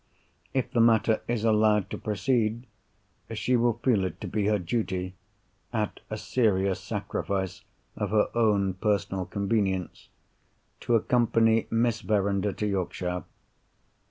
If the matter is allowed to proceed, she will feel it to be her duty—at a serious sacrifice of her own personal convenience—to accompany Miss Verinder to Yorkshire.